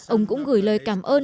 ông cũng gửi lời cảm ơn